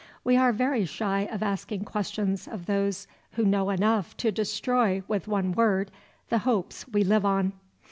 We are very shy of asking questions of those who know enough to destroy with one word the hopes we live on.